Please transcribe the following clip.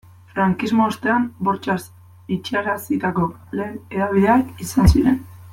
Frankismo ostean bortxaz itxiarazitako lehen hedabideak izan ziren.